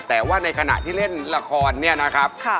แต่ว่าในขณะที่เล่นละครเนี่ยนะครับ